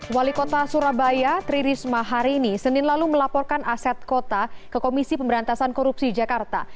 wali kota surabaya tri risma hari ini senin lalu melaporkan aset kota ke komisi pemberantasan korupsi jakarta